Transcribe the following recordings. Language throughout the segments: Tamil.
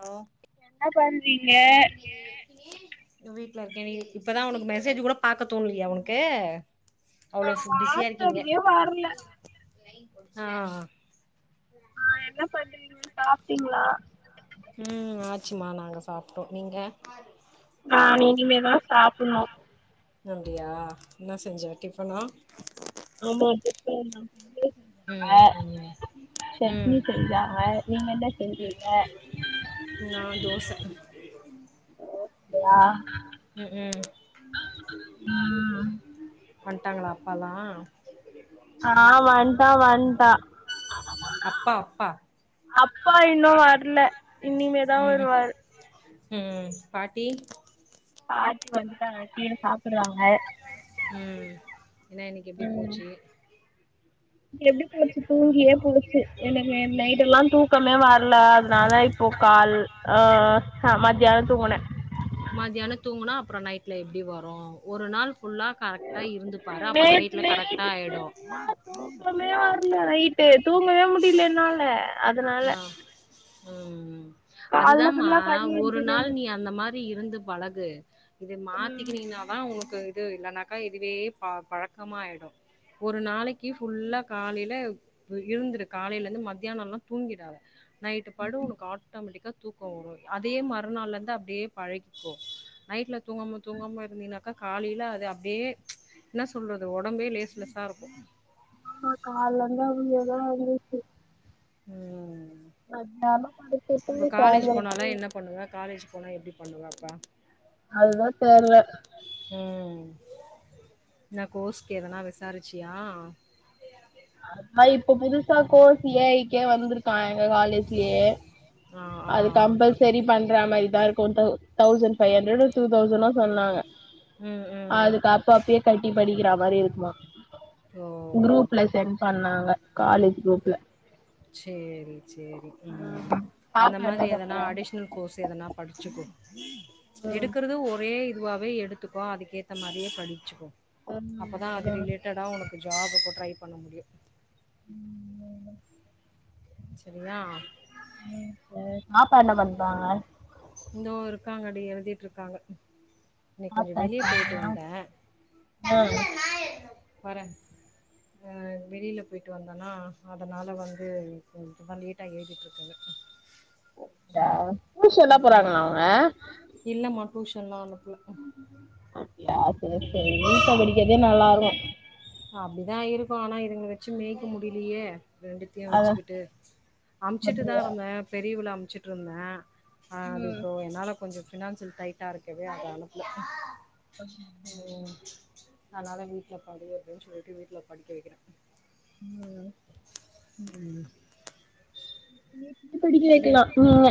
ஹலோ என்ன பண்றீங்க வீட்டுல இருக்கே டி இப்பதா உனக்கு மெசேஜ் கூட பாக்கத்தோண்லையா உனக்கு நா அவ்ளவு சு பிஸியா இருக்கீங்க வாட்ஸ்அப்கே வரல ஆ ஆ ஆ ஆ என்ன பண்றீங்க சாப்ட்டீங்களா ம் ஆச்சுமா நாங்க சாப்ட்டோ நீங்க நான் இனிமேதா சாப்பிட்னு அப்டியா என்ன செஞ்சே டிஃபனா ஆமா இப்பதா நா வந்து ம் ஆ ம் ம் சட்னி செஞ்சாங்க நீங்க என்ன செஞ்சீங்க நா தோச [unintelligible] ம் ம் ம் ம் வந்ட்டாங்களா அப்பாலா ஆ வந்டா வந்டா அப்பா அப்பா அப்பா இன்னு வர்ல இனிமேதா ம் வருவாரு ம் பாட்டி பாட்டி வந்டாங்க கீழே சாப்புட்றாங்க ம் என்னா இன்னைக்கு எப்டி ம் போச்சு எப்டி போச்சு தூங்கியே போச்சு எனக்கு நே நைட்டு எல்லா தூக்கமே வர்ல அதனால இப்போ கால் ஆ ஹ மதியானொ தூங்குனே மதியானொ தூங்குனா அப்றோ நைட்ல எப்டி வரு ஒரு நாள் ஃபுல்லா கரெக்டா இருந்து பாரு அப்ப நேத்து நைட்ல கரெக்டா நைட்டு ஆயிடு ஃபுல்லா தூக்கமே வரல நைட்டு தூங்கவே முடியில என்னால அ ஆ ம் ம் கால்ல அதுதாமா ஃபுல்லா கண்ணு ஒரு எரிஞ்சுனே நாள் இருந்தது நீ அந்த மா ரி இருந்து பழகு இத ம் மாத்திக்கினீனா தா ஒனக் கு இது இல்லன்னாக்கா இதுவே பா பழக்கமாய்டு ஒரு நாளைக்கி ஃபுல்லா காலைல இருந்துரு காலைல இந்து மத்தியானோல்லா தூங்கிடாத நைட்டு படு ஒனக்கு ஆட்டோமேட்டிக்கா தூக்கோ வரு அதே மறுநாள்ல இந்து அப்டியே பழகிக்கோ நைட்ல தூங்காம தூங்காம இருந்தீனாக்கா காலைல அது அப்டியே என்ன சொல்றது ஒடம்பே லேஸ்லேஸ்ஸா இருக்கு அ கால்லந்து அவிங்க தா [unintelligible] ம் இப்ப படுத்துட்டு காலேஜ் சாயந்தரமா போனாலா என்ன பண்ணுவ காலேஜ் போனா எப்டி பண்ணுவாப்பா அதுதா தேர்ல ம் ந கோஸ்க்கு எதனா விசாருச்சியா இப்ப புதுசா கோர்ஸ் ஏஐக்கே வந்துருக்கா எங்க காலேஜ்யே ஆ ஆ அது கம்பல்செரி பண்றா மயி தா இருக்கு தவ் தவ்சண் பைவ் ஹண்ரடு தூதவ்சனா சொன்னாங்க ம் ம் அதுக்கு அப் அப்பியே கட்டி படிக்கிறா மாரி இருக்குமா ஓ சென் பண்ணாங்க அலேஜ் குரூப்ல சேரி சேரி ம் அந்த பாப்பா என்ன மாரி எதனா பண்றா அடிஷ்னுல் கோர்ஸ் எதனா படிச்சுகோ ம் எடுக்குறது ஒரே இதுவாவே எடுத்துக்வா அதுக்கேத்த மாரியே படிச்சுக்கோ அப்பதா அது ஆமா ம் ரிலேட்டடா ஒனக்கு ஜாபுக்கோ ட்ரை பண்ண முடியு ம் சரியா ம் சேர் பாப்பா என்ன பண்தாங்க ந்தோ இருக்காங்க டி எழுதிட்ருக்காங்க இன்னிக் கொஞ்சு வெளிய சாப்ட்டாச்சா போய்ட்டு அவங்கல்லா வந்த வர அ வெளில போய்ட்டு வந்தனா அதனால வந்து [unintelligible] லேட்டா எழுதிட் இருக்காங்க ஊஷல்லா போறாங்களா அவுங்க டூஷன்லா அனுப்புல அப்டியா சேர் சேரி வீட்ட படிக்கதே நல்லார்கு அப்டிதா இருக்கு ஆனா இதுங்ள வெச்சி மேக்க முடிலியே ரெண்டுத்யு அதா வெச்சுக்கிட்டு அம்ச்சிட்டுதா அப்டியா இருந்த பெரிவ்ல அம்ச்சிட்டுருந்த அ அது ம் இப்போ என்னால கொஞ்ச பினான்சில் டைட்டா இருக்கவே அத அனுப்ல ஆ அனால வீட்ல படு அப்டின் சொல்லிட்டு வீட்ல படிக்க வெக்கிற ஓ ம் மீட்டிட்டு படிக்க வெக்கிலா நீங்க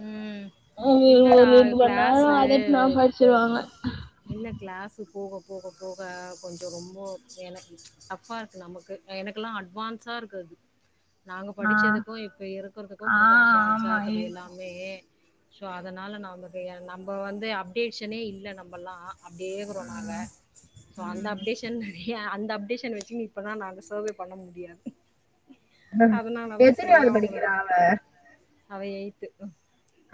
ம் ம் இரு ஒரு இல்லடா ரெண்டு மண் நேரோ கிளாஸு அதட்னா படிச்சிர்வாங்க இல்ல க்ளேஸு போக போக போக கொஞ்சோ ரொம்போ எனக்கு டஃப்பா இருக்கு நம்முக்கு எனக்குல்லா அட்வான்ஸா யாருக் காது நாங்க ஆ படிச்சதுக்கு இப்ப இருக்குற்துக்கு ஆ கொஞ்ச ஆமா அட்வான்ஸாக்குது இருக்கு எல்லாமே ஷோ அதனால நாம்புகையா நம்ப வந்து அப்டேஷனே இல்ல நம்பலா அப்டியேக்குறோ நாங்க ம் சோ அந்த ம் அப்டேஷன் நரே ஏ அந்த அப்டேஷன் வச்சினு இப்பதா நாங்க சோவே பண்ண முடியாது ப்ப அதனாலதா சரி எத்தின்யாவுது படிக்கிறா அவங்களுக்கு அவ அவ எய்த்து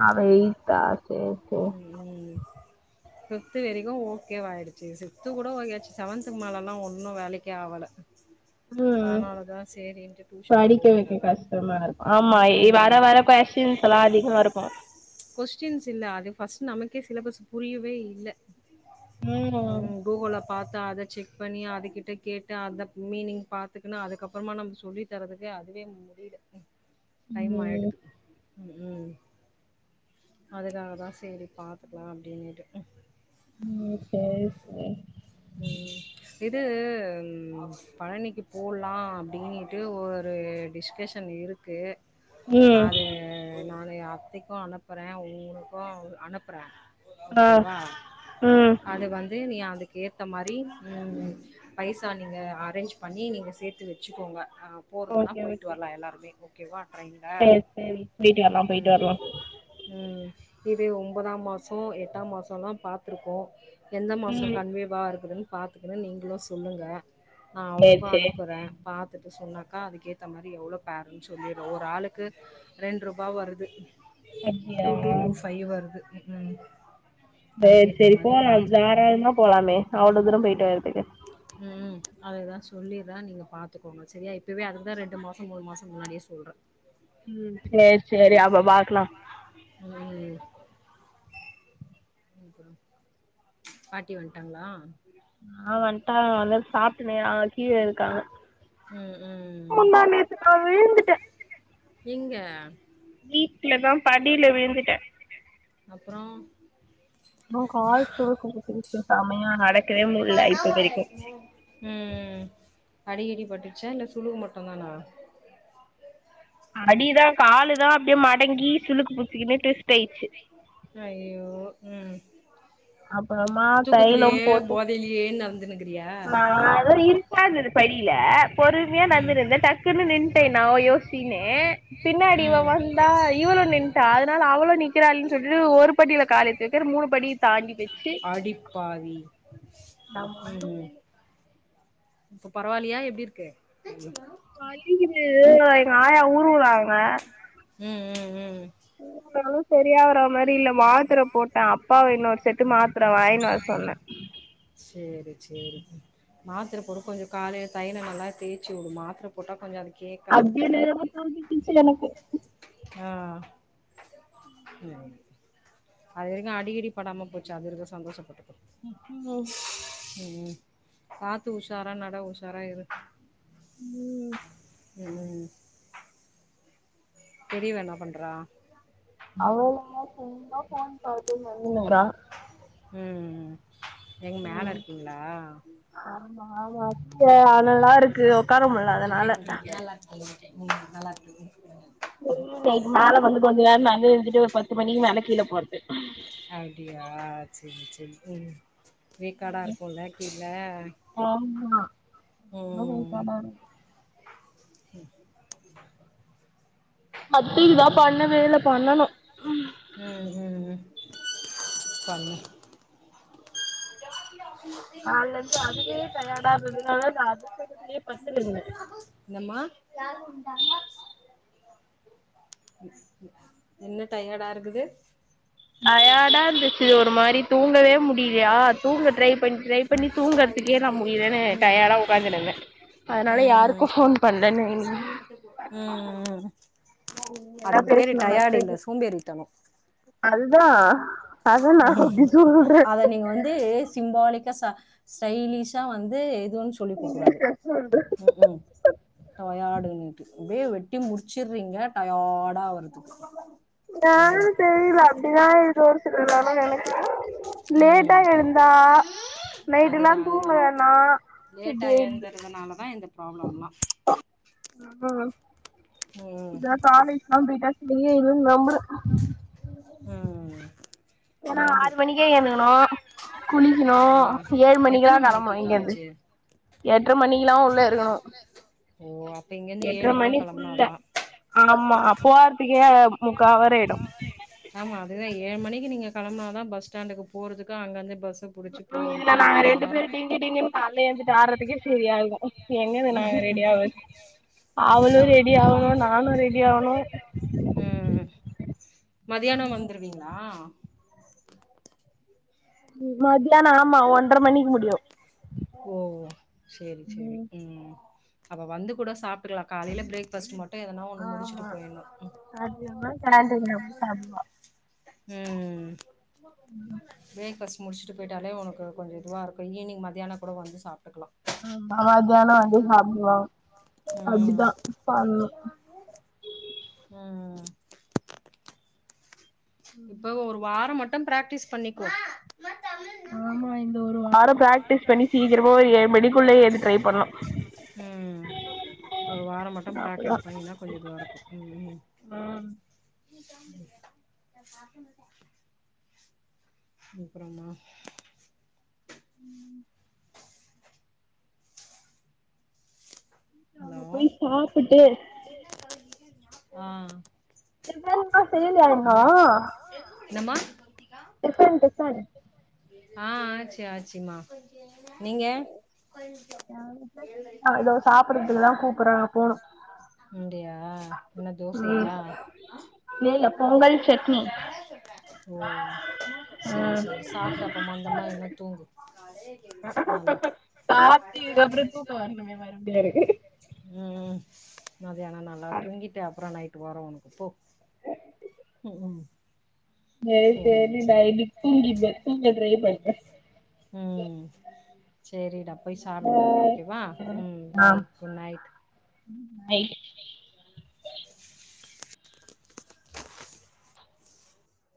அவ எய்த்தா சேர் சேர் ஃபிப்த் வெரிக்கு ஓகேவாயிடுச்சு சிக்த்து கூட ஓகே ஆச்சு செவன்துக்கு மேலலாம் ஒன்னு வேலக்கே ஆவல [inaudible] அதனாலதா சேரின்டு டூஷன் படிக்க போட்டுட்டே வைக்க கஷ்டமா நானு [unintelligible] சலா அதிகமாருக்கு கொஷ்டின்ஸ் இல்ல அது ஃபஸ்ட் நமக்கே சிலபஸ் புரியுவே இல்ல ம் கூகோலா பாத் அத செக் பண்ணி அது கிட்ட கேட்டு அந்த மீனிங் பார்த்துக்குன்னு அதுக்கப்பறமா நம்ம சொல்லி தரறதுக்கு அது கே முடில டைம் ம் ஆகிடுது ம் ம் அதுக்காக தான் சரி பாத்துக்கலா அப்படின்னுட்டு ம் சேரி சேரி ம் இது பழனிக்கு போட்லா அப்டின்னுட்டு ஒரு டிஸ்கஷன் இருக்கு ம் அது நானு அத்திக்கு அனுப்புறே உங்களுக்கு அனுப்புறே ஆ ஓகேவா ம் அது வந்து நீ அது ஏத்த மாரி பைசா ம் நீங்க அரேஞ்ச் பண்ணி நீங்க சேத்து வச்சுக்கோங்க அங் போறதுன்னா ஓகே போயிட்டு ஓகே வரலா எல்லாருமே ஓகேவா ட்ரெயின்ல? சேரி சேரி போய்ட்டு வரலா ம். போயிட்டு வரலா ம். இது ஒம்பதா மாசம் எட்டா மாசம் எல்லாம் பாத்திருக்கோம் எந்த மாசம் ம் வேவா இருக்குதுன்னு பாத்துக்கெ நீங்களும் சொல்லுங்க நான் சேரி அவளுக்கும் சேரி அனுப்புறே பாத்து சொன்னாக்கா அதுக்கேத்த மாதிரி எவ்ளோ பேர்ன்னு சொல்லிடு ஒரு ஆளுக்கு ரெண்ரூபா வருது டூ டூ அப்டியா டூ ஃபைவ் வருது ம் ம் செரி அதுக்கேத்த செரி மாரி போலா பார்த்து தாராளமா போலாமே அவ்ளோ தூரம் போயிட்டு வறதுக்கு ம் அதைதா சொல்லிறே நீங்க பாத்துக்கோங்க சரியா இப்பவே அதுக்குதான் ரெண்டு மாசம் மூணு மாசம் முன்னாடியே சொல்ற ம் செரி செரி அப்ப பாக்லா ம் பாட்டி வந்ட்டாங்களா ஆ வன்டாக வந்துட் சாப்டுனு நேரா கீழ இருக்காங்க ம், ம். முந்தா நேத்து நா விழுந்துட்ட இங்க வீட்டு்லதா படில விழுந்துட்ட அப்றோ உ கால் சுளுக்கு புடிச்சிகிச்சி செமயா ந ம் அடி கிடி பட்டுருச்சா இல்ல சுளுக்கு மட்டுதானா அடிதா காலு தா அப்டியே மடங்கி சுழுக்கு புடிச்சிக்கினுட்டு அயயோ ம் அப்பறமா தைலம் தூக்கத்திலயே போட்டு போதையிலயே நடந்துனுக்கிறியா நா இரு ந்தது படியில பொறுமையா ம் நடந்துருந்த டக்குன்னு நின்டேன் நான் யோசிச்சிகினு பின்னாடி இவ ம் வந்தா இவ்ளோ நின்ட்டா அதனால அவளு நிக்கிறாள்ன்னு சொல்லிட்டு ஒரு படியில கால எடுத்து வைக்கிறனு மூணு படி தாண்டி வச்சு அடிப்பாவி நான் ம் மாட்னேன். ம் இப்ப பரவாயில்லியா எப்டி இருக்கு வலிக்குது எங்க ஆயா உருவுறாங்க ம் ம் ம் உருவுனாலும் சரியாகற மாரி இல்ல மாத்தர போட்டே அப்பாவ இன்னொரு செட்டு மாத்திர வாங்கினு வர சொன்னே செரி செரி மாத்திர போடு கொஞ்சம் காலைய தையில நல்லா தேய்ச்சி விடு மாத்தர போட்டா கொஞ்சொ அது கேக்காது [unintelligible] ஆ செ அது வரைக்கு அடிக்கிடி படாம போச்சு அது வரைக்கு சந்தோஷப்படு ம்ம் [unintelligible] ம் பாத்து உஷாரா நட உஷாரா இரு ம் ம் பெரியவ என்ன பண்றா அவளுதான் சும்மா ஃபோன் பாத்தே நடந்துடுனுக்கா ம் எங்க மேல இருக்கீங்ளா ஆமா ஆமா அ அனலா இருக்கு உட்கார முல்ல அதனால ம் நல்லாயிருக்குது மேல வந்து கொஞ்சோ நேரம் நடந்து இருந்துட்டு ஒரு பத்து மணிக்கு மேல கீழ போறது அப்டியா செரி செரி ம் வேக்காடா இருக்குல்ல கீழ நல்ல வேகாடா இருக்கூ ம் மத்திகிதா பண்ணவேயில்ல பண்ணணு ம் ம் பண்ணு கால்ல இருந்து அதுவே டயாடா இருந்ததுனால நான் அது [unintelligible] பத்துட்டு இருந்தேன் என்னம்மா [unintelligible] என்ன டயடா இருக்குது டயர்டா இருந்துச்சு ஒரு மாரி தூங்கவே முடிலியா தூங்க ட்ரை பண்ணி ட்ரை பண்ணி தூங்குறதுக்கே நான் முடியலேன்னு ம் டயடா உட்காந்துனுருக ம் நீங்கதா ம் அதுக்கு பேரு பேசணு டயாடு இல்ல அத்தைக்கு சோம்பேறித்தனோ அதுதா அதா நா ம் அப்டி சொல்றே அத நீங்க வந்து சிம்பாலிக் கஸா ஸ்டைலிஷா வந்து இது ஒன்னு சொல்லிக்க கூடாது ம் ம் டயாடுன்னிட்டு அப்டியே வெட்டி முரிச்சிறீங்க டயாடா ஆவரத்துக்கு [unintelligible] தெரில [unintelligible] லேட்டா எழுந்தா நைட்டெல்லா அதுதா அதுதா தூங்கலன்னா இப்டி லேட்டா ஆயிடுது எழுந்தறதுனாலதா இந்த ப்ராப்ளம்லா ம் இதல்லா காலேஜ்லா பேய்ட்டா சரியாயிருன் நம்புற ம் ஏன்னா நம்பு ஆறு மணிக்கே ஏந்துகனு குளிக்கினு ஆ ஏழு மணிக்கெல்லா எத்தன மணிக்கு கெளம்பனு இங்கேயிருந்து காலேஜு எட்ர மணிக்கில்லா உள்ள இருக்கணு ஓ அப்ப இங்கேருந்து ஏழுக்ல்லா கெளம் குள்ள ஆமா போரதுக்கே முக்கா அவரு ஆயிடு அதேதா ஏழு மணிக்கு நீங்க கெளம்னா தான் பஸ் ஸ்டாண்டுக்கு போறதுக்கு அங்கருந்து பஸ் ம் இல்ல நாங்க ரெண்டு பேர் டிங்கு டிங்குனு கால எழுந்துட்டு ஆடுறதுக்கே சேரியா இருக்கு எங்கந்து நாங்க ரெடி ஆவு ம் அவ்ளு ரெ தான். ரெடி ஆகணு நானு ரெடி ஆகணு மதியானோ வந்துருவீங்ளா மதியானோ ஆமா ஒன்ற மணிக்கி முடியு ஓ! சரி, சரி. ம். அப்ப வந்து கூட சாப்டுகுலா காலயில பிரேஃபாஸ்ட் மட்டு ஆமா அதுமா கேன்டீன்ல போய் சாப்டுவா ம் ப்ரேக்ஃபாஸ்ட் முடிச்ட்டு பேயிட்டாலே ஒனக்கு கொஞ்சோ இதுவா இருக்கு ஈவினங் மதியானோ கூட வந்து சாப்ட்டுக்கலா ஆ [unintelligible] [unintelligible] ம். அப்டிதா பண்ணு [inaudible] இப்ப ஒரு வாரம் மட்டும் ப்ராக்டிஸ் பண்ணிக்கோ ஆமா இந்த ஒரு வாரம் ம் ஒரு வாரம் ஏந்து ட்ரை பண்ணு ஒரு வாரம் மட்டும் அப்பதா ப்ராக்ட்டிஸ் பண்ணீங்கன்னா கொஞ்ச இதுவா இருக்கூ ம் ம் ம் [inaudible] அப்புறமா ஹலோ அங்க போய் சாப்புட்டு ஆ இது வேணுனா செய்யலாமா என்ன மா டிஃபன் டிஃபன் ஆ ஆச்சு ஆச்சுமா நீங்க அ அதோ சாப்புடுறதுக்குதா கூப்புடுறாங்க போனு அப்டியா என்ன ம் தோசையா இல்ல பொங்கல் செட் ஓ சேரி ம் சேரி சாப்ட்டு அப்போ மந்தமா இன்னு தூங்கு நல்லா சாப்டி கப்புறோ தூக்கோ வரணுமே மறுபடியாரு ம் ம் மதியானோ நல்லா துணங்கிட்டு அப்புறோ நைட்டு வரோ உனக்கு போ ம் ம் நெரி சேரி தெரியு சேரி டைய்லி தூங்கிட்ற தூங்கு எழுந்திருக்க தெர்ல செரிடா போய் சாப்டுங்க ஓகேவா ம் பாய் குட் நைட் ஐ ஐ